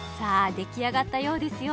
できあがったようですよ